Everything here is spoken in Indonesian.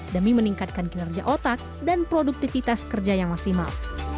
demi meningkatkan kinerja otak dan produktivitas kerja yang maksimal